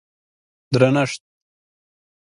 درنښت